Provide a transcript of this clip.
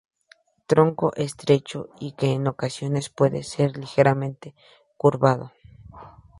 Tronco estrecho y que en ocasiones puede ser ligeramente curvado.